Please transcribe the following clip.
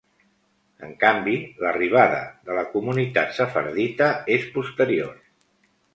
En canvi, l'arribada de la comunitat sefardita és posterior.